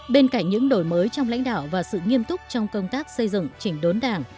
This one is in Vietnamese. bên cạnh những đổi mới trong lãnh đạo và sự nghiêm túc trong công tác xây dựng chỉnh đốn đảng